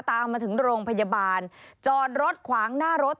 ตามมาถึงโรงพยาบาลจอดรถขวางหน้ารถ